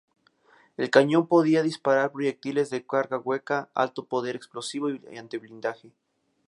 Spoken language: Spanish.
El cañón podía disparar proyectiles de carga hueca, alto poder explosivo y antiblindaje.